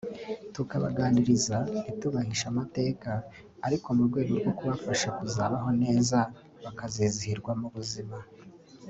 tukabaganiriza ntitubahishe amateka ariko mu rwego rwo kubafasha kuzabaho neza bakazizihirwa mu buzima